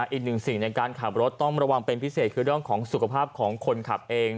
อีกหนึ่งสิ่งในการขับรถต้องระวังเป็นพิเศษคือเรื่องของสุขภาพของคนขับเอง